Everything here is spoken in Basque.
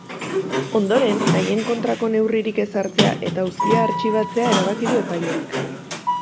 Ondoren, haien kontrako neurririk ez hartzea eta auzia artxibatzea erabaki du epaileak.